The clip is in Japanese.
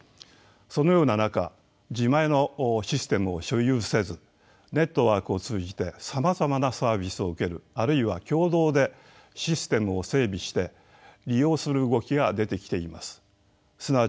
そのような中自前のシステムを所有せずネットワークを通じてさまざまなサービスを受けるあるいは共同でシステムを整備して利用する動きが出てきています。